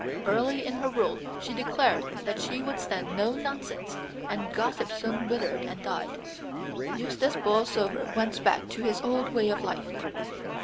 Early in her rule she declared that she would stand no nonsense, and gossip soon withered and died. Eustace Borlsover went back to his old way of life.